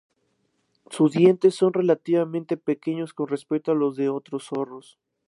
Sus dientes son relativamente pequeños con respecto a los de otros zorros.